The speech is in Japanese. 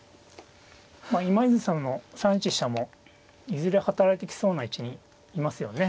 今泉さんの３一飛車もいずれ働いてきそうな位置にいますよね。